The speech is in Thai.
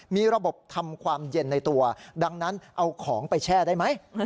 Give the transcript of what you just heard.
มีระบบทำความเย็นในตัวดังนั้นเอาของไปแช่ได้ไหม